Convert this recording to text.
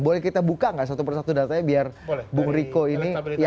boleh kita buka nggak satu persatu datanya biar bung riko ini